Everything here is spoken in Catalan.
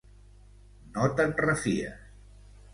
No te'n refies.